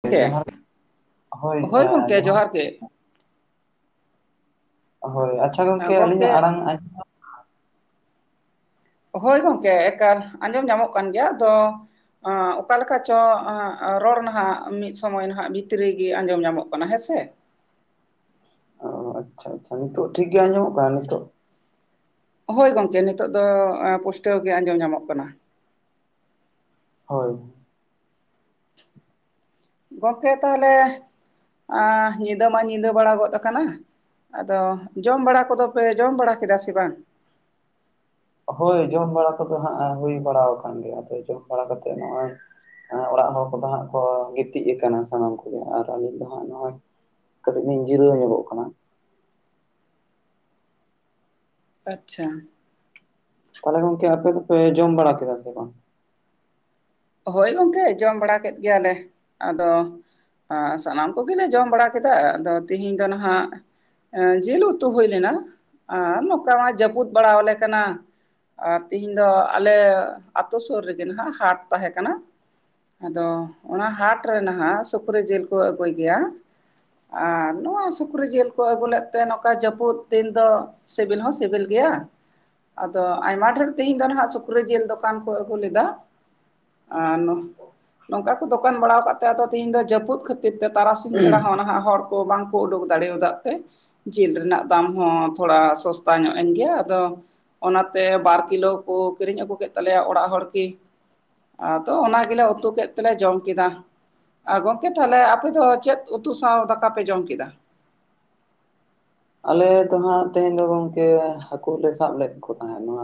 ᱜᱚᱝᱠᱮ [unintelligible] ᱦᱳᱭ ᱜᱚᱝᱠᱮ [unintelligible] ᱡᱚᱦᱟᱨ ᱜᱮ ᱦᱳᱭ ᱟᱪᱪᱷᱟ ᱜᱚᱢᱠᱮ ᱟᱹᱞᱤᱧᱟᱜ ᱜᱚᱝᱠᱮ ᱟᱲᱟᱝ ᱟᱡ ᱦᱳᱭ ᱜᱚᱝᱠᱮ ᱮᱠᱟᱞ ᱟᱸᱡᱚᱢ ᱧᱟᱢᱚᱜ ᱠᱟᱱ ᱜᱮᱭᱟ ᱟᱫᱚ ᱟᱹᱻ ᱚᱠᱟᱞᱮᱠᱟ ᱪᱚ ᱨᱚᱲ ᱱᱟᱦᱟᱜ ᱢᱤᱫ ᱥᱚᱢᱚᱭ ᱱᱟᱦᱟᱜ ᱵᱷᱤᱛᱨᱤᱜᱮ ᱟᱸᱡᱚᱢ ᱧᱟᱢᱚᱜ ᱠᱟᱱᱟ ᱦᱮᱸᱥᱮ ᱚᱻ ᱟᱪᱪᱷᱟ ᱟᱪᱪᱷᱟ ᱱᱤᱛᱳᱜ ᱴᱷᱤᱠ ᱜᱮᱭᱟ ᱟᱸᱡᱚᱢᱚᱜ ᱠᱟᱱᱟ ᱱᱤᱛᱚᱜ ᱦᱳᱭ ᱜᱚᱝᱠᱮ ᱱᱤᱛᱚᱜ ᱫᱚ ᱯᱩᱥᱴᱟᱹᱣ ᱜᱮ ᱟᱸᱡᱚᱢ ᱧᱟᱢᱚᱜ ᱠᱟᱱᱟ ᱦᱳᱭ ᱜᱚᱝᱠᱮ ᱛᱟᱦᱚᱞᱮ ᱧᱤᱫᱟᱹ ᱢᱟ ᱧᱤᱫᱟᱹ ᱵᱟᱲᱟ ᱜᱚᱫ ᱟᱠᱟᱱᱟ ᱟᱫᱚ ᱡᱚᱢ ᱵᱟᱲᱟ ᱠᱚᱫᱚ ᱯᱮ ᱡᱚᱢ ᱵᱟᱲᱟ ᱠᱮᱫᱟ ᱥᱮ ᱵᱟᱝ ᱦᱳᱭ ᱡᱚᱢ ᱵᱟᱲᱟ ᱠᱚᱫᱚ ᱦᱟᱸᱜ ᱦᱩᱭ ᱵᱟᱲᱟ ᱟᱠᱟᱱ ᱜᱮᱭᱟ ᱟᱫᱚ ᱡᱚᱢ ᱵᱟᱲᱟ ᱠᱟᱛᱮᱫ ᱱᱚᱜᱼᱚᱭ ᱚᱲᱟᱜ ᱦᱚᱲ ᱠᱚᱫᱚ ᱦᱟᱸᱜ ᱠᱚ ᱜᱤᱛᱤᱡ ᱟᱠᱟᱱᱟ ᱥᱟᱱᱟᱢ ᱠᱚᱜᱮ ᱟᱨ ᱟᱹᱞᱤᱤᱡ ᱫᱚ ᱦᱟᱸᱜ ᱱᱚᱜᱼᱚᱭ ᱠᱟᱹᱴᱤᱡ ᱞᱤᱧ ᱡᱤᱨᱟᱹᱣ ᱧᱚᱜᱚᱜ ᱠᱟᱱᱟ ᱟᱪᱪᱷᱟ ᱛᱟᱦᱚᱞᱮ ᱜᱚᱝᱠᱮ ᱟᱯᱮ ᱫᱚᱯᱮ ᱡᱚᱢ ᱵᱟᱲᱟ ᱠᱮᱫᱟ ᱥᱮ ᱵᱟᱝ ᱦᱳᱭ ᱜᱚᱢᱠᱮ ᱡᱚᱢ ᱵᱟᱲᱟ ᱠᱮᱫ ᱜᱮᱭᱟᱞᱮ ᱟᱫᱚ ᱥᱟᱱᱟᱢ ᱠᱚᱜᱮᱞᱮ ᱡᱚᱢ ᱵᱟᱲᱟ ᱠᱮᱫᱟ ᱟᱫᱚ ᱛᱮᱦᱤᱧ ᱫᱚ ᱱᱟᱦᱟᱜ ᱮ ᱡᱤᱞ ᱩᱛᱩ ᱦᱩᱭ ᱞᱮᱱᱟ ᱟᱨ ᱱᱚᱝᱠᱟ ᱢᱟ ᱡᱟᱹᱯᱩᱫ ᱵᱟᱲᱟ ᱟᱞᱮ ᱠᱟᱱᱟ ᱟᱨ ᱛᱮᱦᱤᱧ ᱫᱚ ᱟᱞᱮᱛᱳ ᱥᱳᱨ ᱨᱮᱜᱮ ᱱᱟᱦᱟᱸᱜ ᱦᱟᱴ ᱛᱟᱦᱮᱸ ᱠᱟᱱᱟ ᱟᱫᱚ ᱚᱱᱟ ᱦᱟᱴ ᱨᱮ ᱱᱟᱦᱟᱜ ᱥᱩᱠᱨᱤ ᱡᱮᱞ ᱠᱚ ᱟᱹᱜᱩᱭ ᱜᱮᱭᱟ ᱟ ᱱᱚᱣᱟ ᱥᱩᱠᱨᱤ ᱡᱮᱞ ᱠᱚ ᱟᱹᱜᱩ ᱞᱮᱫ ᱛᱮ ᱱᱚᱝᱠᱟ ᱡᱟᱹᱯᱩᱫ ᱫᱤᱱ ᱫᱚ ᱥᱤᱵᱤᱞ ᱦᱚᱸ ᱥᱤᱵᱤᱞ ᱜᱮᱭᱟ ᱟᱫᱚ ᱟᱭᱢᱟ ᱰᱷᱮᱨ ᱛᱮᱦᱮᱧ ᱫᱚ ᱱᱟᱦᱟᱜ ᱥᱩᱠᱨᱤ ᱡᱮᱞ ᱫᱚᱠᱟᱱ ᱠᱚ ᱟᱹᱜᱩ ᱞᱮᱫᱟ ᱚ ᱱᱚᱝᱠᱟ ᱠᱚ ᱫᱚᱠᱟᱱ ᱵᱟᱲᱟ ᱟᱠᱟᱫ ᱛᱮ ᱟᱫᱚ ᱛᱤᱦᱤᱧ ᱫᱚ ᱡᱟᱹᱯᱩᱫ ᱠᱷᱟᱹᱛᱤᱨ ᱛᱮ ᱛᱟᱨᱟᱥᱤᱧ ᱵᱮᱲᱟ ᱦᱚᱸ ᱱᱟᱦᱟᱜ ᱦᱚᱲ ᱠᱚ ᱵᱟᱝᱠᱚ ᱩᱰᱩᱠ ᱫᱟᱲᱮ ᱭᱟᱫᱟᱜ ᱛᱮ ᱡᱮᱞ ᱨᱮᱱᱟᱜ ᱫᱟᱢ ᱦᱚᱸ ᱛᱷᱚᱲᱟ ᱥᱚᱥᱛᱟ ᱧᱚᱜ ᱮᱱ ᱜᱮᱭᱟ ᱟᱫᱚ ᱚᱱᱟᱛᱮ ᱵᱟᱨ ᱠᱤᱞᱳ ᱠᱚ ᱠᱤᱨᱤᱧ ᱟᱹᱜᱩ ᱠᱮᱫ ᱛᱟᱞᱮᱭᱟ ᱚᱲᱟᱜ ᱦᱚᱲ ᱠᱤ ᱟᱫᱚ ᱚᱱᱟ ᱜᱮᱞᱮ ᱩᱛᱩ ᱠᱮᱫ ᱛᱮᱞᱮ ᱡᱚᱢ ᱠᱮᱫᱟ ᱟ ᱜᱚᱝᱠᱮ ᱛᱟᱦᱚᱞᱮ ᱟᱯᱮ ᱫᱚ ᱪᱮᱫ ᱩᱛᱩ ᱥᱟᱶ ᱫᱟᱠᱟ ᱯᱮ ᱡᱚᱢ ᱠᱮᱫᱟ ᱟᱞᱮ ᱫᱚ ᱦᱟᱸᱜ ᱛᱮᱦᱮᱧ ᱫᱚ ᱜᱚᱝᱠᱮ ᱦᱟᱹᱠᱩ ᱞᱮ ᱥᱟᱵ ᱞᱮᱫ ᱠᱚ ᱛᱟᱦᱮᱸᱱᱟ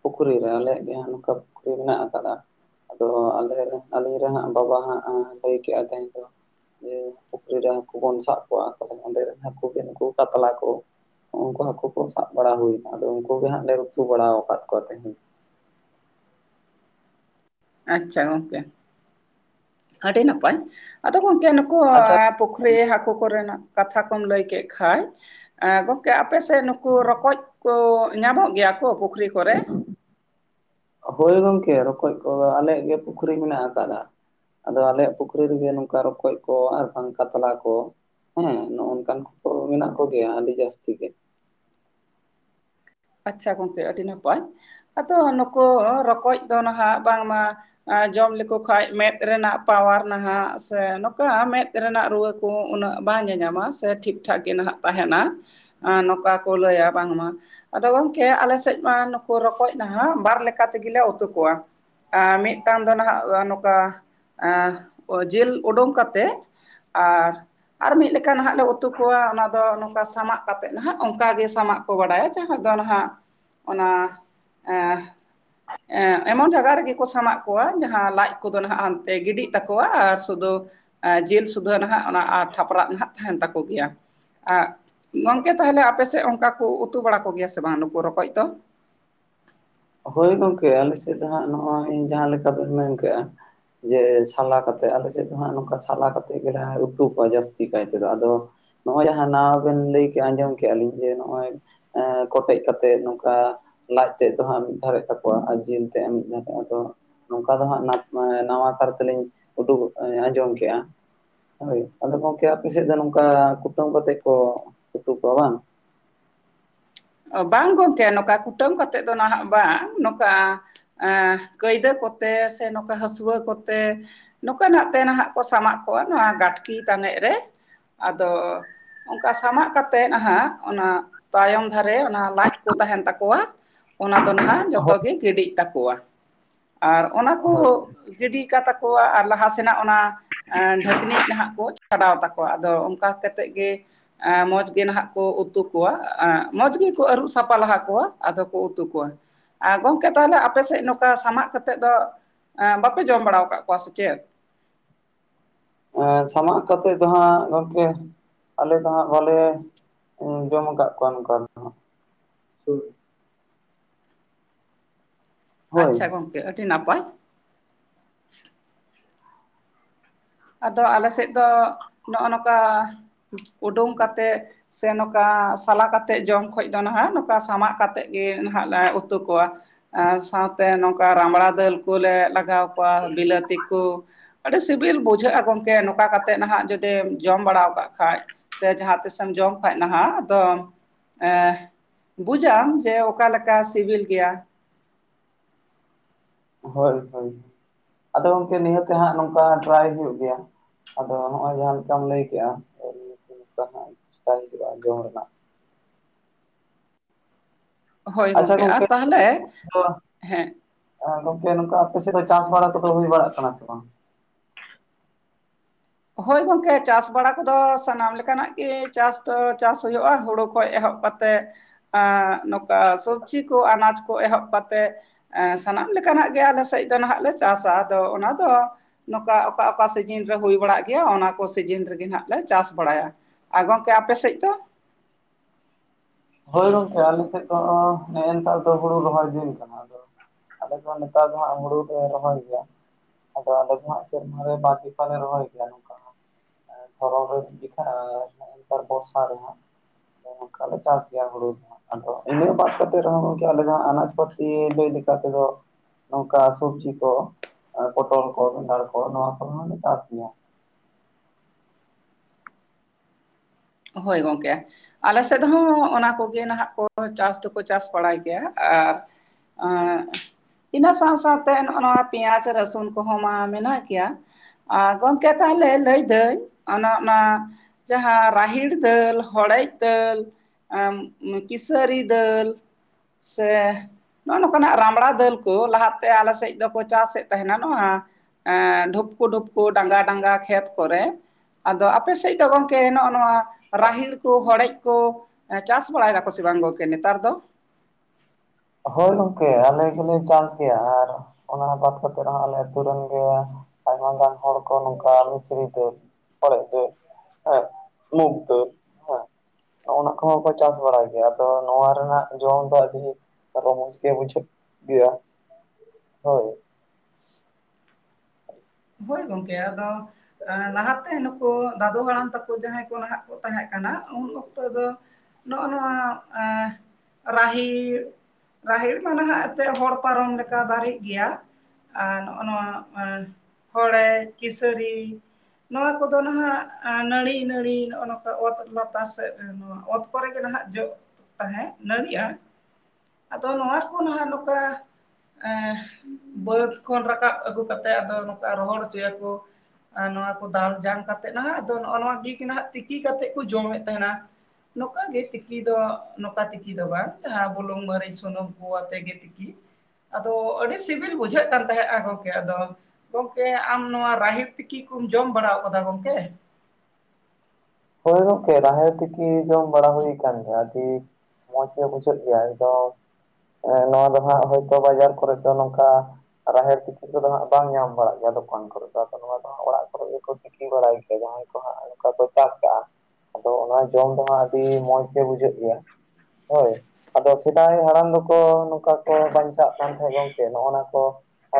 ᱯᱩᱠᱷᱨᱤ ᱨᱮ ᱟᱞᱮᱭᱟᱜ ᱜᱮ ᱱᱚᱝᱠᱟ ᱯᱩᱠᱷᱨᱤ ᱢᱮᱱᱟᱜ ᱠᱟᱫ ᱟ ᱟᱫᱚ ᱟᱞᱮ ᱟᱹᱞᱤᱧ ᱨᱮᱦᱟᱜ ᱵᱟᱵᱟ ᱦᱟᱸᱜ ᱞᱟᱹᱭ ᱠᱮᱫᱮᱜᱼᱟ ᱛᱟᱦᱮᱸᱧ ᱫᱚ ᱯᱩᱠᱷᱨᱤ ᱨᱮ ᱦᱟᱹᱠᱩ ᱵᱚᱱ ᱥᱟᱵ ᱠᱚᱣᱟ ᱛᱟᱦᱮᱞᱮ ᱠᱷᱟᱱ ᱫᱚ ᱦᱟᱹᱠᱩ ᱜᱮ ᱱᱩᱠᱩ ᱠᱟᱛᱞᱟ ᱩᱱᱠᱩ ᱦᱟᱹᱠᱩ ᱠᱚ ᱥᱟᱵ ᱵᱟᱲᱟ ᱦᱩᱭᱮᱱᱟ ᱟᱫᱚ ᱩᱱᱠᱩ ᱜᱮ ᱦᱟᱸᱜ ᱞᱮ ᱩᱛᱩ ᱵᱟᱲᱟ ᱟᱠᱟᱫ ᱠᱚᱣᱟ ᱛᱮᱦᱤᱧ ᱟᱪᱪᱷᱟ ᱜᱚᱝᱠᱮ ᱟᱹᱰᱤ ᱱᱟᱯᱟᱭ ᱟᱫᱚ ᱜᱚᱝᱠᱮ ᱱᱩᱠᱩ ᱟᱪᱪᱷᱟ ᱮ ᱯᱷᱩ ᱨᱤ ᱦᱟᱹᱠᱩ ᱠᱚᱨᱮᱱᱟᱜ ᱠᱟᱛᱷᱟ ᱠᱚᱢ ᱞᱟᱹᱭ ᱠᱮᱫ ᱠᱷᱟᱡ ᱮ ᱜᱚᱝᱠᱮ ᱟᱯᱮᱥᱮᱫ ᱱᱩᱠᱩ ᱨᱚᱠᱚᱡ ᱠᱚ ᱧᱟᱢᱚᱜ ᱜᱮᱭᱟ ᱠᱚ ᱯᱩᱠᱷᱨᱤ ᱠᱚᱨᱮ ᱦᱳᱭ ᱜᱚᱝᱠᱮ ᱨᱚᱠᱚᱡ ᱠᱚ ᱟᱞᱮᱭᱟᱜ ᱜᱮ ᱯᱩᱠᱷᱨᱤ ᱢᱮᱱᱟᱜ ᱟᱠᱟᱫᱟ ᱟᱫᱚ ᱟᱞᱮᱭᱟᱜ ᱯᱩᱠᱷᱨᱤ ᱨᱮᱜᱮ ᱱᱚᱝᱠᱟ ᱨᱚᱠᱚᱡ ᱠᱚ ᱟᱨ ᱵᱟᱝ ᱠᱟᱛᱞᱟ ᱠᱚ ᱦᱮᱸ ᱱᱚᱜ ᱱᱚᱝᱠᱟᱱ ᱠᱚ ᱢᱮᱱᱟᱜ ᱠᱚᱜᱮᱭᱟ ᱟᱹᱰᱤ ᱡᱟᱹᱥᱛᱤ ᱜᱮ ᱟᱪᱪᱷᱟ ᱜᱚᱝᱠᱮ ᱟᱹᱰᱤ ᱱᱟᱯᱟᱭ ᱟᱫᱚ ᱱᱩᱠᱩ ᱨᱚᱠᱚᱡ ᱫᱚ ᱱᱟᱦᱟᱜ ᱵᱟᱝᱢᱟ ᱡᱚᱢ ᱞᱮᱠᱚ ᱠᱷᱟᱱ ᱢᱮᱫ ᱨᱮᱱᱟᱜ ᱯᱟᱣᱟᱨ ᱱᱟᱦᱟᱜ ᱥᱮ ᱱᱚᱝᱠᱟ ᱢᱮᱸᱫ ᱨᱮᱱᱟᱜ ᱨᱩᱣᱟᱹ ᱠᱚ ᱩᱱᱟᱹᱜ ᱵᱟᱝ ᱧᱟᱧᱟᱢᱟ ᱥᱮ ᱴᱷᱤᱠ ᱴᱷᱟᱠ ᱜᱮ ᱱᱟᱦᱟᱜ ᱛᱟᱦᱮᱱᱟ ᱟ ᱱᱚᱠᱟ ᱠᱚ ᱞᱟᱹᱭᱟ ᱵᱟᱝᱢᱟ ᱟᱫᱚ ᱜᱚᱢᱠᱮ ᱟᱞᱮ ᱥᱮᱫ ᱢᱟ ᱱᱩᱠᱩ ᱨᱚᱠᱚᱡ ᱱᱟᱦᱟᱜ ᱵᱟᱨ ᱞᱮᱠᱟ ᱛᱮᱜᱮᱞᱮ ᱩᱛᱩ ᱠᱚᱣᱟ ᱮ ᱢᱤᱫᱴᱟᱝ ᱫᱚ ᱱᱟᱦᱟᱜ ᱱᱚᱝᱠᱟ ᱮ ᱡᱤᱞ ᱩᱰᱩᱝ ᱠᱟᱛᱮᱜ ᱟᱨ ᱟᱨ ᱢᱤᱫ ᱞᱮᱠᱟ ᱱᱟᱦᱟᱜ ᱞᱮ ᱩᱛᱩ ᱠᱚᱣᱟ ᱚᱱᱟ ᱫᱚ ᱱᱚᱝᱠᱟ ᱥᱟᱢᱟᱜ ᱠᱟᱛᱮᱜ ᱱᱟᱦᱟᱜ ᱚᱱᱠᱟ ᱜᱮ ᱥᱟᱢᱟᱜ ᱠᱚ ᱵᱟᱰᱟᱭᱟ ᱫᱚ ᱱᱟᱦᱟᱜ ᱚᱱᱟ ᱮ ᱮ ᱮᱢᱚᱱ ᱡᱟᱭᱜᱟ ᱨᱮᱜᱮ ᱠᱚ ᱥᱟᱢᱟᱜ ᱠᱚᱣᱟ ᱡᱟᱦᱟᱸ ᱞᱟᱡ ᱠᱚᱫᱚ ᱱᱟᱦᱟᱜ ᱦᱟᱱᱛᱮ ᱜᱤᱰᱤᱜ ᱛᱟᱠᱚᱣᱟ ᱟᱨ ᱥᱩᱫᱷᱩ ᱮ ᱡᱮᱞ ᱥᱩᱫᱷᱟᱹ ᱱᱟᱦᱟᱜ ᱚᱱᱟ ᱴᱷᱟᱯᱨᱟᱜ ᱱᱟᱸᱜ ᱛᱟᱦᱮᱱ ᱛᱟᱠᱚ ᱜᱮᱭᱟ ᱟᱜ ᱜᱚᱝᱠᱮ ᱛᱟᱦᱞᱮ ᱟᱯᱮᱥᱮᱜ ᱚᱝᱠᱟ ᱠᱚ ᱩᱛᱩ ᱵᱟᱲᱟ ᱠᱚᱜᱮᱭᱟ ᱥᱮ ᱵᱟᱝ ᱱᱩᱠᱩ ᱨᱚᱠᱚᱡ ᱫᱚ? ᱦᱳᱭ ᱜᱚᱝᱠᱮ ᱟᱞᱮ ᱥᱮᱫ ᱫᱚ ᱦᱟᱸᱜ ᱱᱚᱜᱚᱭ ᱡᱟᱦᱟᱸ ᱞᱮᱠᱟ ᱵᱮᱱ ᱢᱮᱱ ᱠᱮᱜᱼᱟ᱾ ᱡᱮ ᱥᱟᱞᱟ ᱠᱟᱛᱮᱜ ᱟᱞᱮ ᱥᱮᱫ ᱫᱚ ᱦᱟᱸᱜ ᱱᱚᱝᱠᱟ ᱥᱟᱞᱟ ᱠᱟᱛᱮᱜ ᱜᱮᱞᱮ ᱩᱛᱩ ᱠᱚᱣᱟ ᱡᱟᱹᱥᱛᱤ ᱠᱟᱭ ᱛᱮᱫᱚ ᱟᱫᱚ ᱱᱚᱜᱼᱚᱭ ᱡᱟᱦᱟᱸ ᱵᱮᱱ ᱞᱟᱹᱭ ᱠᱮᱫ ᱟ ᱟᱸᱡᱚᱢ ᱠᱮᱫᱮᱜᱼᱟ ᱞᱤᱧ ᱡᱮ ᱱᱚᱜᱼᱚᱭ ᱠᱚᱴᱮᱡ ᱠᱟᱛᱮᱜ ᱱᱚᱝᱠᱟ ᱞᱟᱡ ᱛᱮᱡ ᱫᱚ ᱦᱟᱸᱜ ᱢᱤᱫ ᱫᱷᱟᱨᱮᱜ ᱛᱟᱠᱚᱣᱟ ᱟᱨ ᱡᱤᱞ ᱛᱮ ᱢᱤᱫ ᱫᱷᱟᱨᱮ ᱟᱫᱚ ᱱᱚᱝᱠᱟ ᱫᱚ ᱦᱟᱸᱜ ᱱᱟᱣᱟ ᱠᱟᱨ ᱛᱮᱞᱤᱧ ᱩᱰᱩᱠ ᱟᱸᱡᱚᱢ ᱠᱮᱜᱼᱟ ᱦᱳᱭ ᱟᱫᱚ ᱜᱚᱢᱠᱮ ᱟᱯᱮ ᱥᱮᱫ ᱫᱚ ᱱᱚᱝᱠᱟ ᱠᱩᱴᱟᱹᱢ ᱠᱟᱛᱮᱜ ᱠᱚ ᱩᱛᱩ ᱠᱚᱣᱟ ᱵᱟᱝ ᱵᱟᱝ ᱜᱚᱢᱠᱮ ᱱᱚᱝᱠᱟ ᱠᱩᱴᱟᱹᱢ ᱠᱟᱛᱮᱜ ᱫᱚ ᱱᱟᱦᱟᱜ ᱵᱟᱝ ᱱᱚᱝᱠᱟ ᱮ ᱠᱟᱹᱭᱫᱟᱹ ᱠᱚᱛᱮ ᱥᱮ ᱱᱚᱝᱠᱟ ᱦᱟᱹᱥᱣᱟᱹ ᱠᱚᱛᱮ ᱱᱚᱝᱠᱟᱱᱟᱜ ᱛᱮ ᱱᱟᱦᱟᱜ ᱠᱚ ᱥᱟᱢᱟᱜ ᱠᱚᱣᱟ ᱱᱚᱣᱟ ᱜᱟᱴᱠᱤ ᱛᱟᱱᱤᱡ ᱨᱮ ᱟᱫᱚ ᱚᱝᱠᱟ ᱥᱟᱢᱟᱜ ᱠᱟᱛᱮᱫ ᱱᱟᱦᱟᱜ ᱚᱱᱟ ᱛᱟᱭᱚᱢ ᱫᱷᱟᱨᱮ ᱚᱱᱟ ᱞᱟᱡ ᱠᱚ ᱛᱟᱦᱮᱱ ᱛᱟᱠᱚᱣᱟ ᱚᱱᱟ ᱫᱚ ᱱᱟᱦᱟᱜ ᱡᱚᱛᱚ ᱦᱳᱭ ᱜᱮ ᱜᱤᱰᱤᱜ ᱛᱟᱠᱚᱣᱟ᱾ ᱟᱨ ᱚᱱᱟ ᱠᱚ ᱦᱳᱭ ᱜᱤᱰᱤ ᱠᱟᱛᱟ ᱠᱚᱣᱟ ᱟᱨ ᱞᱟᱦᱟ ᱥᱮᱱᱟᱜ ᱚᱱᱟ ᱮᱸ ᱰᱷᱟᱹᱠᱱᱤᱡ ᱱᱟᱦᱟᱜ ᱠᱚ ᱪᱷᱟᱰᱟᱣ ᱛᱟᱠᱚᱣᱟ ᱟᱫᱚ ᱚᱝᱠᱟ ᱠᱟᱛᱮᱜ ᱜᱮ ᱮᱸ ᱢᱚᱡᱽ ᱜᱮ ᱱᱟᱦᱟᱜ ᱠᱚ ᱩᱛᱩ ᱠᱚᱣᱟ, ᱮᱸ ᱢᱚᱸᱡᱽ ᱜᱤᱠᱚ ᱟᱹᱨᱩᱵ ᱥᱟᱯᱷᱟ ᱞᱟᱦᱟ ᱠᱚᱣᱟ ᱟᱫᱚ ᱠᱚ ᱩᱛᱩ ᱠᱚᱣᱟ᱾ ᱟᱨ ᱜᱚᱝᱠᱮ ᱛᱟᱦᱚᱞᱮ ᱟᱯᱮᱥᱮᱜ ᱱᱚᱝᱠᱟ ᱥᱟᱢᱟᱜ ᱠᱟᱛᱮᱜ ᱫᱚ ᱮᱸ ᱵᱟᱯᱮ ᱡᱚᱢ ᱵᱟᱲᱟ ᱟᱠᱟᱫ ᱠᱚᱣᱟ ᱥᱮ ᱪᱮᱫ? ᱮᱸ ᱥᱟᱢᱟᱜ ᱠᱟᱛᱮᱜ ᱫᱚ ᱦᱟᱸᱜ ᱜᱚᱝᱠᱮ ᱟᱞᱮ ᱫᱚ ᱦᱟᱸᱜ ᱵᱟᱞᱮ ᱡᱚᱢ ᱟᱠᱟᱫ ᱠᱚᱣᱟ ᱱᱚᱝᱠᱟ ᱫᱚ ᱦᱟᱸᱜ᱾ ᱦᱳᱭ ᱟᱪᱪᱷᱟ ᱜᱚᱝᱠᱮ ᱟᱹᱰᱤ ᱱᱟᱯᱟᱭ᱾ [inaudible] ᱟᱫᱚ ᱟᱞᱮ ᱥᱮᱫ ᱫᱚ ᱱᱚᱜᱼᱚ ᱱᱚᱠᱟ ᱩᱰᱩᱝ ᱠᱟᱛᱮᱫ ᱥᱮ ᱱᱚᱠᱟ ᱥᱟᱞᱟ ᱠᱟᱛᱮᱜ ᱡᱚᱢ ᱠᱷᱚᱡ ᱫᱚ ᱱᱟᱦᱟᱜ ᱱᱚᱠᱟ ᱥᱟᱢᱟᱜ ᱠᱟᱛᱮᱫ ᱜᱮ ᱱᱟᱦᱟᱸᱜ ᱞᱮ ᱩᱛᱩ ᱠᱚᱣᱟ᱾ ᱟᱨ ᱥᱟᱶᱛᱮ ᱱᱚᱝᱠᱟ ᱨᱟᱢᱲᱟ ᱫᱟᱹᱞ ᱠᱚᱞᱮ ᱞᱟᱜᱟᱣ ᱠᱚᱣᱟ ᱵᱤᱞᱟᱹᱛᱤ ᱠᱚ ᱟᱹᱰᱤ ᱥᱤᱵᱤᱞ ᱵᱩᱡ ᱡᱷᱟᱹᱜᱼᱟ ᱜᱚᱝᱠᱮ ᱱᱚᱠᱟ ᱠᱟᱛᱮᱫ ᱱᱟᱦᱟᱜ ᱡᱩᱫᱤᱢ ᱡᱚᱢ ᱵᱟᱲᱟᱣ ᱠᱟᱜ ᱠᱷᱟᱡ᱾ ᱥᱮ ᱡᱟᱦᱟᱸ ᱛᱤᱥᱮᱢ ᱡᱚᱢ ᱠᱷᱟᱡ ᱱᱟᱦᱟᱜ ᱟᱫᱚ ᱮᱸ ᱵᱩᱡᱟᱢ ᱡᱮ ᱚᱠᱟᱞᱮᱠᱟ ᱥᱤᱵᱤᱞ ᱜᱮᱭᱟ? ᱦᱳᱭ ᱦᱳᱭ, ᱟᱫᱚ ᱜᱚᱝᱠᱮ ᱱᱤᱦᱟᱹᱛᱮ ᱦᱟᱸᱜ ᱱᱚᱝᱠᱟ ᱴᱨᱟᱭ ᱦᱩᱭᱩᱜ ᱜᱮᱭᱟ᱾ ᱟᱫᱚ ᱦᱚᱜᱼᱚᱭ ᱡᱟᱦᱟᱸ ᱞᱮᱠᱟᱢ ᱞᱟᱹᱭ ᱠᱮᱜᱼᱟ ᱱᱚᱝᱠᱟ ᱦᱟᱸᱜ ᱪᱮᱥᱴᱟᱭ ᱦᱩᱭᱩᱜᱼᱟ ᱡᱚᱢ ᱨᱮᱱᱟᱜ᱾ ᱦᱳᱭ ᱜᱚᱝᱠᱮ ᱟᱨ ᱛᱟᱦᱞᱮ ᱦᱮᱸ ᱦᱮᱸ ᱜᱚᱝᱠᱮ ᱱᱚᱝᱠᱟ ᱟᱯᱮ ᱥᱮᱫ ᱪᱟᱥ ᱵᱟᱲᱟ ᱠᱚᱫᱚ ᱦᱩᱭ ᱵᱟᱲᱟᱜ ᱠᱟᱱᱟ ᱥᱮ ᱵᱟᱝ? ᱦᱳᱭ ᱜᱚᱝᱠᱮ ᱪᱟᱥ ᱵᱟᱲᱟ ᱠᱚᱫᱚ ᱥᱟᱱᱟᱢ ᱞᱮᱠᱟᱱᱟᱜ ᱜᱮ ᱪᱟᱥ ᱫᱚ ᱪᱟᱥ ᱦᱩᱭᱩᱜᱼᱟ ᱦᱩᱲᱩ ᱠᱷᱚᱡ ᱮᱦᱚᱵ ᱠᱟᱛ ᱛᱮᱜ ᱱᱚᱠᱟ ᱥᱚᱵᱽᱡᱤ ᱠᱚ ᱟᱱᱟᱡ ᱠᱚ ᱮᱦᱚᱵ ᱠᱟᱛᱮᱜ ᱮᱸ ᱥᱟᱱᱟᱢ ᱞᱮᱠᱟᱱᱟᱜ ᱜᱮ ᱟᱞᱮ ᱥᱮᱜ ᱫᱚ ᱱᱟᱦᱟᱜ ᱞᱮ ᱪᱟᱥᱟ ᱟᱫᱚ ᱚᱱᱟ ᱫᱚ ᱱᱚᱠᱟ ᱚᱠᱟ ᱚᱠᱟ ᱥᱤᱡᱤᱱ ᱨᱮ ᱦᱩᱭ ᱵᱟᱲᱟᱜ᱾ ᱜᱤᱭᱟ ᱚᱱᱟ ᱠᱚ ᱥᱤᱡᱤᱱ ᱨᱤᱜᱤᱱ ᱦᱟᱸᱜ ᱞᱮ ᱪᱟᱥ ᱵᱟᱲᱟᱭᱟ, ᱟᱨ ᱜᱚᱢᱠᱮ ᱟᱯᱮ ᱥᱮᱫ ᱫᱚ? ᱦᱳᱭ ᱜᱚᱝᱠᱮ ᱟᱞᱮᱥᱮᱫ ᱫᱚ ᱱᱮᱜ ᱮ ᱱᱮᱛᱟᱨ ᱫᱚ ᱦᱩᱲᱩ ᱨᱚᱦᱚᱭ ᱫᱤᱱ ᱠᱟᱱᱟ ᱟᱫᱚ ᱟᱞᱮ ᱫᱚ ᱦᱟᱸᱜ ᱱᱮᱛᱟᱨ ᱫᱚ ᱦᱟᱸᱜ ᱦᱩᱲᱩ ᱞᱮ ᱨᱚᱦᱚᱭ ᱜᱮᱭᱟ᱾ ᱟᱫᱚ ᱟᱞᱮ ᱫᱚ ᱦᱟᱸᱜ ᱥᱮᱨᱢᱟ ᱨᱮ ᱵᱟᱨ ᱡᱤᱠᱷᱟᱞᱮ ᱨᱚᱦᱚᱭ ᱜᱮᱭᱟ ᱱᱚᱝᱠᱟ᱾ ᱫᱷᱚᱨᱚᱱ ᱨᱮ ᱢᱤᱫ ᱡᱤᱠᱷᱟ ᱟᱨ ᱦᱮᱜᱼᱮ ᱱᱮᱛᱟᱨ ᱵᱚᱨᱥᱟ ᱨᱮᱦᱚᱸ ᱚᱝᱠᱟᱞᱮ ᱪᱟᱥ ᱜᱮᱭᱟ ᱦᱩᱲᱩ ᱫᱚ ᱦᱟᱸᱜ ᱟᱫᱚ ᱤᱱᱟᱹ ᱵᱟᱫ ᱠᱟᱛᱮ ᱨᱮᱦᱚᱸ ᱠᱤ ᱟᱞᱮ ᱫᱚ ᱦᱟᱸᱜ ᱟᱱᱟᱡ ᱯᱟᱹᱛᱤ ᱞᱟᱹᱭ ᱞᱮᱠᱟ ᱛᱮᱫᱚ ᱚᱝᱠᱟ ᱥᱚᱵᱽᱡᱤ ᱠᱚ ᱯᱚᱴᱚᱞ ᱠᱚ ᱵᱮᱸᱜᱟᱲ ᱠᱚ ᱱᱚᱣᱟ ᱠᱚᱦᱚ ᱞᱮ ᱪᱟᱥ ᱜᱮᱭᱟ᱾ ᱦᱳᱭ ᱜᱚᱝᱠᱮ᱾ ᱟᱞᱮ ᱥᱮᱫ ᱦᱚᱸ ᱚᱱᱟ ᱠᱚᱜᱮ ᱱᱟᱦᱟᱜ ᱠᱚ ᱪᱟᱥ ᱫᱚᱠᱚ ᱪᱟᱥ ᱵᱟᱲᱟᱭ ᱜᱮᱭᱟ, ᱟᱨ ᱮᱸ ᱤᱱᱟᱹ ᱥᱟᱶ ᱥᱟᱶᱛᱮ ᱱᱚᱜᱼᱚ ᱱᱚᱣᱟ ᱯᱮᱸᱭᱟᱡ ᱨᱟᱹᱥᱩᱱ ᱠᱚᱦᱚᱸ ᱢᱟ ᱢᱮᱱᱟᱜ ᱜᱮᱭᱟ᱾ ᱟᱸ ᱜᱚᱝᱠᱮ ᱛᱟᱦᱞᱮ ᱞᱟᱹᱭ ᱫᱟᱹᱧ ᱚᱱᱮ ᱚᱱᱟ ᱡᱟᱦᱟᱸᱨ ᱯᱟᱦᱤᱲ ᱫᱟᱹᱞ, ᱦᱚᱲᱮᱡ ᱫᱟᱹᱞ, ᱮᱸ ᱠᱤᱥᱟᱹᱨᱤ ᱫᱟᱹᱞ ᱥᱮ ᱱᱚᱜᱼᱚ ᱱᱚᱠᱟᱱᱟᱜ ᱨᱟᱢᱲᱟ ᱫᱟᱹᱞ ᱠᱚ ᱞᱟᱦᱟ ᱛᱮ ᱟᱞᱮ ᱥᱮᱫ ᱫᱚᱠᱚ ᱪᱟᱥᱮᱫ ᱛᱟᱦᱮᱱᱟ ᱱᱚᱣᱟ᱾ ᱮᱸ ᱰᱳᱯᱠᱳ ᱰᱳᱯᱠᱳ ᱰᱟᱸᱜᱟ ᱰᱟᱸᱜᱟ ᱠᱷᱮᱛ ᱠᱚᱨᱮ ᱟᱫᱚ ᱟᱯᱮ ᱥᱮᱫ ᱫᱚ ᱜᱚᱝᱠᱮ ᱱᱚᱜ ᱱᱚᱣᱟ ᱨᱟᱦᱤᱲ ᱠᱚ ᱦᱚᱲᱮᱡ ᱠᱚ ᱪᱟᱥ ᱵᱟᱲᱟᱭ ᱫᱟᱠᱚ ᱥᱮ ᱵᱟᱝ ᱜᱚᱝᱠᱮ ᱱᱮᱛᱟᱨ ᱫᱚ? ᱦᱳᱭ ᱜᱚᱝᱠᱮ ᱟᱞᱮ ᱜᱮᱞᱮ ᱪᱟᱥ ᱜᱮᱭᱟ ᱟᱨ ᱚᱱᱟ ᱵᱟᱫ ᱠᱟᱛᱮᱜ ᱨᱮᱦᱚᱸ ᱟᱞᱮ ᱟᱹᱛᱩ ᱨᱮᱱ ᱜᱮ ᱟᱭᱢᱟ ᱜᱟᱱ ᱦᱚᱲ ᱠᱚ ᱱᱚᱝᱠᱟ ᱢᱟᱹᱥᱨᱤ ᱫᱟᱹᱞ, ᱦᱚᱨᱮᱡ ᱫᱟᱹᱞ ᱦᱮᱸ ᱢᱩᱠ ᱫᱟᱹᱞ ᱦᱮᱸ᱾ ᱚᱜᱼᱚ ᱱᱚᱣᱟ ᱠᱚᱦᱚᱸ ᱠᱚ ᱪᱟᱥ ᱵᱟᱲᱟᱭ ᱜᱮᱭᱟ ᱟᱫᱚ ᱱᱚᱣᱟ ᱨᱮᱱᱟᱜ ᱡᱚᱢ ᱫᱚ ᱟᱹᱫᱷᱤ ᱨᱚᱢᱚᱡᱽ ᱜᱮ ᱵᱩᱡᱷᱟᱹᱜ ᱜᱮᱭᱟ ᱦᱳᱭ᱾ ᱦᱳᱭ ᱜᱚᱝᱠᱮ ᱟᱫᱚ ᱮᱸ ᱞᱟᱦᱟᱛᱮ ᱱᱩᱠᱚ ᱫᱟᱫᱩ ᱦᱟᱲᱟᱢ ᱛᱟᱠᱚ ᱡᱟᱦᱟᱸᱭ ᱠᱚ ᱱᱟᱦᱟᱜ ᱠᱚ ᱛᱟᱦᱮᱸ ᱠᱟᱱᱟ ᱩᱱ ᱚᱠᱛᱚ ᱫᱚ ᱱᱚᱜᱼᱚ ᱱᱚᱣᱟ ᱨᱟᱦᱤᱲ ᱨᱟᱦᱤᱲ ᱢᱟ ᱱᱟᱦᱟᱜ ᱮᱛᱮᱜ ᱦᱚᱲ ᱯᱟᱨᱚᱢ ᱞᱮᱠᱟ ᱫᱟᱨᱤᱜ ᱜᱮᱭᱟ᱾ ᱟᱨ ᱱᱚᱜᱼᱚ ᱱᱚᱣᱟ ᱦᱚᱲᱮᱡ, ᱠᱤᱥᱟᱹᱨᱤ ᱱᱚᱣᱟ ᱠᱚᱫᱚ ᱱᱟᱦᱟᱜ ᱱᱟᱹᱲᱤ ᱱᱟᱹᱲᱤ ᱱᱚᱜᱼᱚ ᱱᱚᱠᱟ ᱚᱛ ᱞᱟᱛᱟᱨ ᱥᱮᱫ ᱨᱮ ᱱᱚᱣᱟ ᱚᱛ ᱠᱚᱨᱮ ᱜᱮ ᱫᱟᱦᱟᱜ ᱡᱚᱜ ᱛᱟᱦᱮᱸᱜ ᱱᱟᱹᱲᱤᱜᱼᱟ? ᱟᱫᱚ ᱱᱚᱣᱟ ᱠᱷᱚᱱ ᱦᱟᱸᱜ ᱱᱚᱠᱟ ᱮᱜ ᱵᱟᱹᱫᱽ ᱠᱷᱚᱱ ᱨᱟᱠᱟᱵ ᱟᱹᱜᱩ ᱠᱟᱛᱮᱜᱫᱚ ᱱᱚᱝᱠᱟ ᱨᱚᱦᱚᱲ ᱦᱚᱪᱚᱭᱟ ᱠᱚ ᱟᱨ ᱱᱚᱣᱟ ᱠᱚ ᱫᱟᱞ ᱡᱟᱝ ᱠᱟᱛᱮᱜ ᱱᱟᱜ ᱟᱫᱚ ᱱᱚᱜᱼᱚ ᱜᱤ ᱛᱤᱠᱤ ᱠᱟᱛᱮᱜ ᱠᱚ ᱡᱚᱢᱮᱫ ᱛᱟᱦᱮᱱᱟ᱾ ᱱᱚᱝᱠᱟᱜᱮ ᱛᱤᱠᱤ ᱫᱚ, ᱱᱚᱝᱠᱟ ᱛᱤᱠᱤ ᱫᱚ ᱵᱟᱝ ᱵᱩᱞᱩᱝ ᱢᱟᱨᱤ ᱥᱩᱱᱩᱢ ᱠᱚ ᱟᱛᱮᱜᱮ ᱛᱤᱠᱤ, ᱟᱫᱚ ᱟᱹᱰᱤ ᱥᱤᱵᱤᱞ ᱵᱩᱡᱷᱟᱹᱜ ᱠᱟᱱ ᱛᱟᱦᱮᱸᱼᱟ ᱜᱚᱝᱠᱮ, ᱟᱫᱚ ᱜᱚᱢᱠᱮ ᱟᱢ ᱱᱚᱣᱟ ᱨᱟᱦᱤᱲ ᱛᱤᱠᱤ ᱠᱚᱢ ᱡᱚᱢ ᱵᱟᱲᱟ ᱟᱠᱟᱫᱟ ᱜᱚᱢᱠᱮ? ᱦᱳᱭ ᱜᱚᱢᱠᱮ ᱨᱟᱦᱮᱲ ᱛᱮᱠᱤ ᱡᱚᱢ ᱵᱟᱲᱟ ᱦᱩᱭ ᱠᱟᱱ ᱜᱮᱭᱟ, ᱟᱹᱰᱤ ᱢᱚᱸᱡᱽᱜᱮ ᱵᱩᱡᱷᱟᱹᱜ ᱜᱮᱭ ᱮᱠᱫᱚᱢ ᱱᱚᱣᱟ ᱫᱚ ᱦᱟᱸᱜ ᱦᱚᱭᱛᱳ ᱵᱟᱡᱟᱨ ᱠᱚᱨᱮ ᱫᱚ ᱱᱚᱝᱠᱟ ᱨᱟᱦᱮᱲ ᱛᱤᱠᱤ ᱠᱚᱫᱚ ᱦᱟᱸᱜ ᱵᱟᱝ ᱧᱟᱢ ᱵᱟᱲᱟᱜ ᱜᱮᱭᱟ ᱫᱚᱠᱟᱱ ᱠᱚᱨᱮ ᱫᱚ ᱟᱫᱚ ᱱᱚᱣᱟ ᱫᱚ ᱦᱟᱜ ᱚᱲᱟᱜ ᱠᱚᱨᱮ ᱜᱮᱠᱚ ᱛᱤᱠᱤ ᱵᱟᱲᱟᱭᱮᱭᱟ ᱡᱟᱦᱟᱸᱭ ᱠᱚ ᱱᱚᱜ-ᱠᱟ ᱠᱚ ᱪᱟᱥ ᱠᱟᱜᱼᱟ, ᱟᱫᱚ ᱚᱱᱟ ᱡᱚᱢ ᱫᱚ ᱦᱟᱸᱜ ᱟᱹᱰᱤ ᱢᱚᱸᱡᱽ ᱜᱮ ᱵᱩᱡᱷᱟᱹᱜ ᱜᱮᱭᱟ ᱦᱳᱭ᱾ ᱟᱫᱚ ᱥᱮᱫᱟᱭ ᱦᱟᱲᱟᱢ ᱫᱚᱠᱚ ᱱᱚᱠᱟ ᱠᱚ ᱵᱟᱧᱪᱟᱜ ᱠᱟᱱ ᱛᱟᱦᱮᱸᱫ ᱜᱚᱝᱠᱮ ᱱᱚᱜᱼᱚ ᱱᱟ ᱠᱚ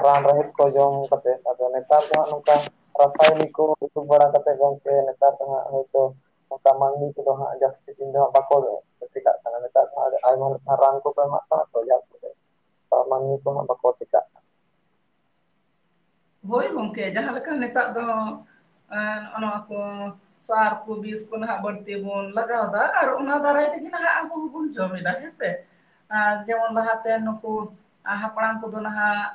ᱨᱟᱱ ᱨᱮᱦᱮᱫ ᱠᱚ ᱡᱚᱢ ᱠᱟᱛᱮᱜ ᱟᱫᱚ ᱱᱮᱛᱟᱨ ᱫᱚ ᱦᱟᱸᱜ ᱱᱚᱝᱠᱟ᱾ ᱨᱟᱥᱟᱭᱚᱱᱤᱠ ᱠᱚ ᱩᱛᱩ ᱵᱟᱲᱟ ᱠᱟᱛᱮᱜ ᱜᱚᱝᱠᱮ ᱱᱮᱛᱟᱨ ᱫᱚ ᱦᱟᱸᱜ ᱦᱳᱭᱛᱳ ᱚᱱᱠᱟ ᱢᱟᱹᱱᱢᱤ ᱠᱚᱫᱚ ᱦᱟᱸᱜ ᱡᱟᱹᱥᱛᱤ ᱤᱱ ᱫᱚ ᱵᱟᱠᱚ ᱫᱚ ᱴᱷᱤᱠᱟᱜ ᱠᱟᱱᱟ ᱱᱮᱛᱟᱨ ᱫᱚ ᱟᱭᱢᱟᱠᱟᱱ ᱨᱟᱱ ᱠᱚᱠᱚ ᱮᱢᱟᱜ ᱠᱟᱱᱟ ᱛᱚ ᱡᱚᱨ ᱟᱨ ᱢᱟᱹᱱᱢᱤ ᱠᱚᱦᱚ ᱵᱟᱠᱩ ᱪᱤᱠᱟᱜ ᱦᱳᱭ ᱜᱚᱝᱠᱮ ᱡᱟᱦᱟᱸᱞᱮᱠᱟ ᱱᱮᱛᱟᱨ ᱫᱚ ᱮᱜ ᱱᱚᱜᱼᱚᱣᱟ ᱠᱚ ᱥᱟᱨ ᱠᱚ ᱵᱤᱥ ᱠᱚ ᱱᱟᱦᱟᱜ ᱵᱟᱹᱲᱛᱤ ᱵᱚᱱ ᱞᱟᱜᱟᱣᱫᱟ᱾ ᱟᱨ ᱚᱱᱟ ᱫᱟᱨᱟᱭ ᱛᱮᱜᱮ ᱱᱟᱜ ᱟᱵᱚ ᱵᱚᱱ ᱡᱚᱢ ᱮᱫᱟ ᱦᱮᱥᱮ? ᱟᱨ ᱡᱮᱢᱚᱱ ᱞᱟᱦᱟᱛᱮ ᱱᱩᱠᱩ ᱦᱟᱯᱲᱟᱢ ᱠᱚᱫᱚ ᱱᱟᱦᱟᱜ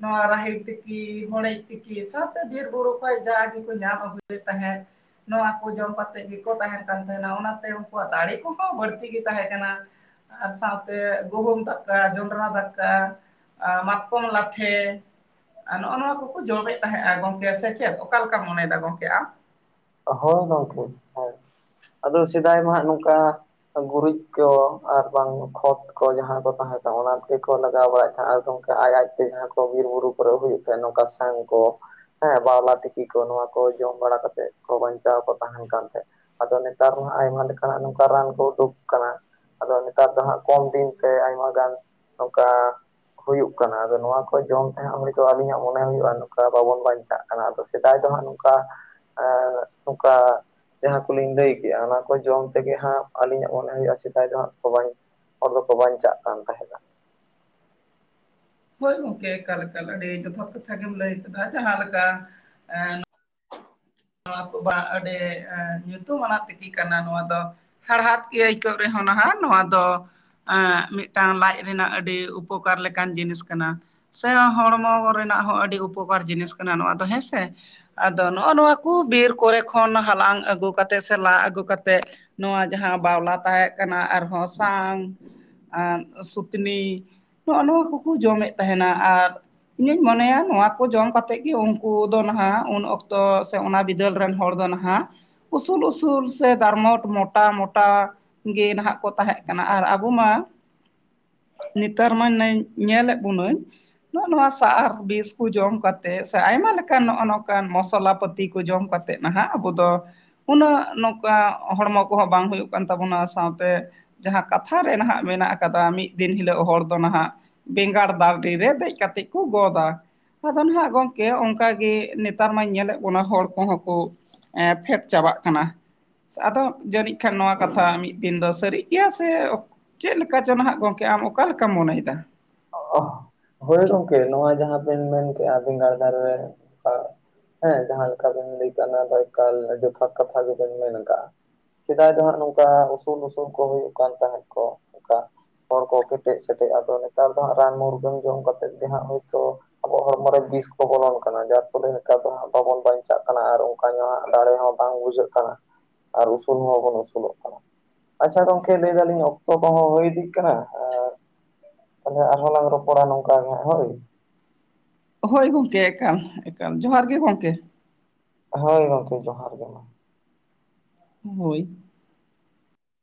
ᱱᱚᱣᱟ ᱨᱟᱦᱮᱲ ᱛᱮᱠᱤ ᱦᱚᱲᱮᱡ ᱛᱤᱠᱤ ᱥᱟᱶᱛᱮ ᱵᱤᱨᱵᱩᱨᱩ ᱠᱷᱚᱱ ᱡᱟᱜ ᱜᱮᱠᱚ ᱧᱟᱢ ᱟᱹᱜᱩᱭᱮᱫ ᱛᱟᱦᱮᱸᱫ ᱱᱚᱣᱟ ᱠᱚ ᱡᱚᱢ ᱠᱟ ᱛᱮᱡ ᱜᱮᱠᱚ ᱛᱟᱦᱮᱱ ᱠᱟᱱ ᱛᱟᱦᱮᱱᱟ ᱚᱱᱟᱛᱮ ᱩᱱᱠᱩᱣᱟᱜ ᱫᱟᱲᱮ ᱠᱚᱦᱚᱸ ᱵᱟᱹᱲᱛᱤ ᱜᱮ ᱛᱟᱦᱮᱸ ᱠᱟᱱᱟ᱾ ᱟᱨ ᱥᱟᱶᱛᱮ ᱜᱩᱦᱩᱢ ᱫᱟᱠᱟ, ᱡᱚᱸᱰᱨᱟ ᱫᱟᱠᱟ, ᱟᱨ ᱢᱟᱛᱠᱚᱢ ᱞᱟᱴᱷᱮ ᱱᱚᱜ‌ ᱚ ᱱᱚᱣᱟ ᱠᱚ ᱠᱚ ᱡᱚᱢᱮᱫ ᱛᱟᱦᱮᱸᱜᱼᱟ ᱜᱚᱝᱠᱮ ᱥᱮ ᱪᱮᱫ ᱚᱠᱟ ᱞᱮᱠᱟᱢ ᱢᱚᱱᱮᱭᱮᱫᱟ ᱜᱚᱝᱠᱮ ᱟᱢ? ᱦᱳᱭ ᱜᱚᱝᱠᱮ ᱦᱮᱸ ᱟᱫᱚ ᱥᱮᱫᱟᱭ ᱢᱟᱜ ᱱᱚᱝᱠᱟ ᱜᱩᱨᱤᱡ ᱠᱚ ᱟᱨ ᱵᱟᱝ ᱠᱷᱚᱛ ᱠᱚ ᱡᱟᱦᱟᱸ ᱠᱚ ᱛᱟᱦᱮᱸ ᱠᱟᱱᱟ ᱚᱱᱟ ᱜᱮᱠᱚ ᱞᱟᱜᱟᱣ ᱵᱟᱲᱟᱭᱮᱫ ᱛᱟᱦᱮᱸᱫ ᱟᱨ ᱜᱚᱢᱠᱮ ᱟᱡ ᱟᱡᱛᱮ ᱡᱟᱦᱟᱸ ᱠᱚ ᱵᱤᱨ ᱵᱩᱨᱩ ᱟᱨ ᱦᱩᱭᱩᱜ ᱛᱟᱦᱮᱸᱫ ᱱᱚᱝᱠᱟ ᱥᱟᱝ ᱠᱚ ᱦᱮᱸ ᱵᱟᱣᱞᱟ ᱛᱤᱠᱤ ᱠᱚ ᱱᱚᱣᱟ ᱠᱚ ᱡᱚᱢ ᱵᱟᱲᱟ ᱠᱟᱛᱮᱜ ᱠᱚ ᱵᱟᱧᱪᱟᱣ ᱠᱚ ᱛᱟᱦᱮᱱ ᱠᱟᱱ ᱛᱟᱦᱮᱸᱫ ᱟᱫᱚ ᱱᱮᱛᱟᱨ ᱢᱟ ᱟᱭᱢᱟ ᱞᱮᱠᱟᱱᱟᱜ ᱱᱚᱝᱠᱟ ᱨᱟᱱ ᱠᱚ ᱩᱰᱩᱠ ᱠᱟᱱᱟ᱾ ᱟᱫᱚ ᱱᱮᱛᱟᱨ ᱫᱚ ᱦᱟᱜ ᱠᱚᱢ ᱫᱤᱱ ᱛᱮ ᱟᱭᱢᱟ ᱜᱟᱱ ᱱᱚᱝᱠᱟ, ᱦᱩᱭᱩᱜ ᱠᱟᱱᱟ ᱟᱫᱚ ᱱᱚᱣᱟ ᱠᱚ ᱡᱚᱢ ᱛᱟᱦᱮᱸ ᱱᱤᱛᱚᱜ ᱟᱞᱤᱧᱟᱜ ᱢᱚᱱᱮ ᱦᱩᱭᱩᱜᱼᱟ ᱱᱚᱝᱠᱟ ᱵᱟᱵᱚᱱ ᱵᱟᱧᱪᱟᱜ ᱠᱟᱱᱟ ᱟᱫᱚ ᱥᱮᱫᱟᱭ ᱫᱚᱦᱟᱸᱜ ᱱᱚᱝᱠᱟ, ᱦᱮ ᱱᱚᱝᱠᱟ ᱡᱟᱦᱟᱸ ᱠᱚᱞᱤᱧ ᱞᱟᱹᱭ ᱠᱮᱜᱼᱟ ᱚᱱᱟ ᱠᱚ ᱡᱚᱢ ᱛᱮᱜᱮ ᱦᱟᱸᱜ ᱟᱹᱞᱤᱧᱟᱜ ᱢᱚᱱᱮ ᱦᱩᱭᱩᱜᱼᱟ ᱥᱮᱫᱟᱭ ᱫᱚ ᱦᱟᱸᱜ ᱠᱚ ᱵᱟᱧ ᱦᱚᱲ ᱫᱚᱠᱚ ᱵᱟᱧᱪᱟᱜ ᱠᱟᱱ ᱛᱟᱦᱮᱸᱫᱼᱟ᱾ ᱦᱳᱭ ᱜᱚᱝᱠᱮ ᱮᱠᱟᱞ ᱮᱠᱟᱞ ᱟᱹᱰᱤ ᱡᱚᱛᱷᱟᱛ ᱠᱟᱛᱷᱟ ᱜᱮᱢ ᱞᱟᱹᱭ ᱠᱮᱫᱟ ᱡᱟᱦᱟᱸᱞᱮᱠᱟ ᱮᱸᱜ ᱱᱚᱣᱟ ᱠᱚ ᱵᱟᱝ ᱟᱹᱰᱤ ᱧᱩᱛᱩᱢᱟᱱᱟᱜ ᱛᱤᱠᱤ ᱠᱟᱱᱟ ᱱᱚᱣᱟ ᱫᱚ, ᱦᱟᱲᱦᱟᱫ ᱜᱮ ᱟᱹᱭᱠᱟᱹᱜ ᱨᱮᱦᱚᱸ ᱱᱟᱦᱟᱜ ᱱᱚᱣᱟ ᱫᱚ ᱮᱜ ᱢᱤᱫᱴᱟᱝ ᱞᱟᱡ ᱨᱮᱱᱟᱜ ᱟᱹᱰᱤ ᱩᱯᱚᱠᱟᱨ ᱞᱮᱠᱟᱱ ᱡᱤᱱᱤᱥ ᱠᱟᱱᱟ ᱥᱮ ᱦᱚᱲᱢᱚ ᱨᱮᱱᱟᱜ ᱦᱚᱸ ᱟᱹᱰᱤ ᱩᱯᱚᱠᱟᱨ ᱡᱤᱱᱤᱥ ᱠᱟᱱᱟ ᱱᱚᱣᱟ ᱫᱚ ᱦᱮᱸᱥᱮ ᱟᱫᱚ ᱱᱚᱜᱼᱚ ᱱᱚᱣᱟ ᱩᱱᱠᱩ ᱵᱤᱨ ᱠᱚᱨᱮ ᱠᱷᱚᱱ ᱦᱟᱞᱟᱝ ᱟᱹᱜᱩ ᱠᱟᱛᱮ ᱥᱮ ᱞᱟ ᱟᱹᱜᱩᱛᱮᱫ ᱱᱚᱣᱟ ᱡᱟᱦᱟᱸ ᱵᱟᱣᱞᱟ ᱛᱟᱦᱮᱸ ᱠᱟᱱᱟ ᱟᱨᱦᱚᱸ ᱥᱟᱝ ᱥᱩᱛᱱᱤ ᱱᱚᱜᱼᱚ ᱱᱚᱣᱟ ᱠᱚᱠᱚ ᱡᱚᱢᱮᱫ ᱛᱟᱦᱮᱱᱟ ᱟᱨ ᱤᱧᱤᱧ ᱢᱚᱱᱮᱭᱟ ᱱᱚᱣᱟ ᱠᱚ ᱡᱚᱢ ᱠᱟᱛᱮᱫ ᱜᱮ ᱩᱱᱠᱩ ᱫᱚ ᱱᱟᱦᱟᱜ ᱩᱱ ᱚᱠᱛᱚ ᱥᱮ ᱚᱱᱟ ᱵᱤᱫᱟᱹᱞ ᱨᱮᱱ ᱦᱚᱲ ᱫᱚ ᱱᱟᱦᱟᱜ ᱩᱥᱩᱞ ᱩᱥᱩᱞ ᱥᱮ ᱛᱟᱨᱢᱚᱴ ᱢᱳᱴᱟ ᱢᱚᱴᱟ ᱜᱮ ᱱᱟᱦᱟᱜ ᱠᱚ ᱛᱟᱦᱮᱸ ᱠᱟᱱᱟ ᱟᱨ ᱟᱵᱚ ᱢᱟ ᱱᱮᱛᱟᱨ ᱢᱟ ᱧᱮᱞᱮᱫ ᱵᱚᱱᱟᱹᱧ ᱱᱚᱜ ᱱᱚᱣᱟ ᱥᱟᱨ ᱵᱤᱥ ᱠᱚ ᱡᱚᱢ ᱠᱟᱛᱮᱜ ᱥᱮ ᱟᱭᱢᱟ ᱞᱮᱠᱟᱱ ᱱᱚᱜᱼᱚ ᱱᱚᱝᱠᱟᱱ ᱢᱚᱥᱚᱞᱟ ᱯ ᱠᱚ ᱡᱚᱢ ᱠᱟᱛᱮᱫ ᱱᱟᱦᱟᱜ ᱟᱵᱚ ᱫᱚ ᱩᱱᱟᱹᱜ ᱱᱚᱝᱠᱟ ᱦᱚᱲᱢᱚ ᱠᱚᱦᱚᱸ ᱵᱟᱝ ᱦᱩᱭᱩᱜ ᱠᱟᱱ ᱛᱟᱵᱚᱱᱟ ᱥᱟᱶᱛᱮ ᱡᱟᱦᱟᱸ ᱠᱟᱛᱷᱟ ᱨᱮ ᱱᱟᱦᱟᱜ ᱢᱮᱱᱟᱜ ᱠᱟᱫᱟ ᱢᱤᱫ ᱫᱤᱱ ᱦᱤᱞᱳᱜ ᱦᱚᱲ ᱫᱚ ᱱᱟᱦᱟᱜ ᱵᱮᱸᱜᱟᱲ ᱫᱟᱨ-ᱨᱤ ᱨᱮ ᱫᱮᱡ ᱠᱟᱛᱮᱫ ᱠᱚ ᱜᱚᱫᱟ ᱟᱫᱚ ᱦᱱᱟᱜ [inaudible] ᱜᱚᱝᱠᱮ ᱚᱱᱠ ᱜᱮ ᱱᱮᱛᱟᱨ ᱢᱟᱧ ᱧᱮᱞᱮᱫ ᱠᱚᱣᱟ ᱚᱱᱟ ᱦᱚᱲ ᱠᱚᱦᱚᱸ ᱠᱚ ᱯᱷᱮᱰ ᱪᱟᱵᱟᱜ ᱠᱟᱱᱟ ᱟᱫᱚ ᱡᱟᱹᱱᱤᱡ ᱠᱷᱟᱱ ᱱᱚᱣᱟ ᱠᱟᱛᱷᱟ ᱢᱤᱫ ᱫᱤᱱ ᱫᱚ ᱥᱟᱹᱨᱤᱜ ᱜᱮᱭᱟ ᱥᱮ ᱪᱮᱫ ᱞᱮᱠᱟ ᱪᱚᱝ ᱱᱟᱦᱟᱜ ᱜᱚᱝᱠᱮ ᱟᱢ ᱚᱠᱟ ᱞᱮᱠᱟᱢ ᱢᱚᱱᱮᱭᱟ ᱦᱳᱭ ᱜᱚᱢᱠᱮ ᱱᱚᱣᱟ ᱡᱟᱦᱟᱸ ᱵᱮᱤᱱ ᱢᱮᱱ ᱠᱮᱜᱼᱟ ᱵᱮᱸᱜᱟᱲ ᱫᱷᱟᱨ ᱨᱮᱠᱟ ᱦᱮᱸ ᱡᱟᱦᱟᱸ ᱞᱮᱠᱟ ᱵᱤᱱ ᱞᱟᱹᱭ ᱠᱟᱜᱼᱟ ᱡᱚᱛᱷᱟᱛ ᱠᱟᱛᱷᱟ ᱜᱮᱵᱮᱱ ᱢᱮᱱ ᱟᱠᱟᱜᱼᱟ ᱥᱮᱫᱟᱭ ᱫᱚ ᱦᱟᱸᱜ ᱱᱚᱝᱠᱟ ᱩᱥᱩᱞᱼ ᱩᱥᱩᱞ ᱠᱚ ᱦᱩᱭᱩᱜ ᱠᱟᱱ ᱛᱟᱦᱮᱸᱫ ᱠᱚ ᱚᱱᱠᱟ ᱦᱚᱲ ᱠᱚ ᱠᱮᱴᱮᱡ ᱥᱮᱴᱮᱡᱼᱟ ᱟᱫᱚ ᱱᱮᱛᱟᱨ ᱫᱚ ᱦᱟᱸᱜ ᱨᱟᱱ ᱢᱩᱨᱜᱟᱹᱱ ᱡᱚᱢ ᱠᱟᱛᱮᱜ ᱜᱮ ᱦᱟᱸᱜ ᱦᱳᱭᱛᱳ ᱟᱵᱚ ᱦᱚᱲᱢᱚ ᱨᱮ ᱵᱤᱥ ᱠᱚ ᱵᱚᱞᱚᱱ ᱠᱟᱱᱟ ᱡᱟᱨ ᱯᱷᱚᱞᱮ ᱱᱮᱛᱟᱨ ᱫᱚᱜ ᱵᱟᱵᱚᱱ ᱵᱟᱧᱪᱟᱜ ᱠᱟᱱᱟ ᱟᱨ ᱚᱱᱠᱟ ᱧᱚᱜᱟᱜ [inaudible] ᱫᱟᱲᱮ ᱦᱚᱸ ᱵᱟᱝ ᱵᱩᱡᱷᱟᱹᱜ ᱠᱟᱱᱟ ᱟᱨ ᱩᱥᱩᱞ ᱦᱚᱸᱵᱚᱱ ᱩᱥᱩᱞᱚᱜ ᱠᱟᱱᱟ ᱟᱪᱪᱷᱟ ᱜᱚᱝᱠᱮ ᱞᱟᱹᱭ ᱫᱟᱞᱤᱧ ᱚᱠᱛᱚ ᱠᱚᱦᱚᱸ ᱦᱩᱭ ᱤᱫᱤᱜ ᱠᱟᱱᱟ ᱟᱨ ᱛᱟᱦᱚᱞᱮ ᱟᱨᱦᱚ ᱞᱟᱝ ᱨᱚᱯᱚᱲᱟ ᱱᱚᱝᱠᱟ ᱜᱮ ᱦᱳᱭ ᱦᱳᱭ ᱜᱚᱢᱠᱮ ᱮᱠᱟᱞ ᱮᱠᱟᱞ ᱡᱚᱦᱟᱨ ᱜᱮ ᱜᱚᱢᱠᱮ ᱦᱳᱭ ᱜᱚᱢᱠᱮ ᱡᱚᱦᱟᱨ ᱜᱮ ᱢᱟ ᱦᱳᱭ